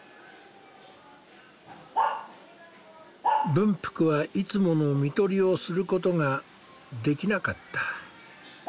文福はいつもの看取りをすることができなかった。